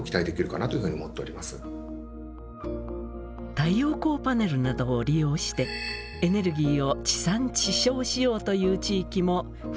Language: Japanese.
太陽光パネルなどを利用してエネルギーを地産地消しようという地域も増えてきました。